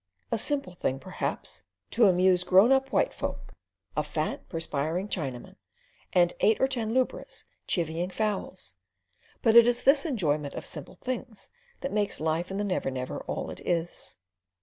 A simple thing, perhaps, to amuse grown up white folk—a fat, perspiring Chinaman, and eight or ten lubras chivying fowls; but it is this enjoyment of simple things that makes life in the Never Never all it is.